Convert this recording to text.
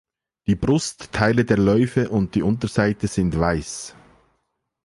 Die Brust, Teile der Läufe und die Unterseite sind weiß.